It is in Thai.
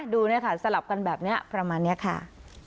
ดูนะคะสลับกันแบบเนี้ยประมาณเนี้ยค่ะ